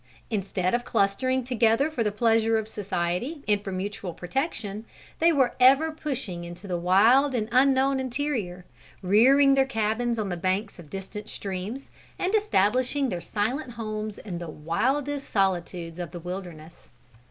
Instead of clustering together for the pleasure of society and for mutual protection, they were ever pushing into the wild and unknown interior, rearing their cabins on the banks of distant streams, and establishing their silent homes in the wildest solitudes of the wilderness.